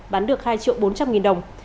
bán được hai triệu bốn trăm linh nghìn đồng